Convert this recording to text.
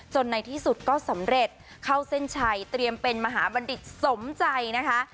ในที่สุดก็สำเร็จเข้าเส้นชัยเตรียมเป็นมหาบัณฑิตสมใจนะคะ